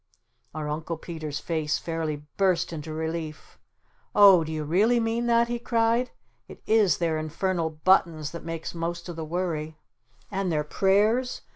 Our Uncle Peter's face fairly burst into relief. "Oh, do you really mean that?" he cried. "It IS their infernal buttons that makes most of the worry! And their prayers?